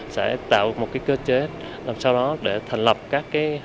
sẽ tạo một cơ chế làm sao đó để thành lập các hợp tác xã